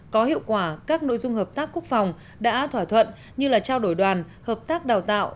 có hiệu quả các nội dung hợp tác quốc phòng đã thỏa thuận như là trao đổi đoàn hợp tác đào tạo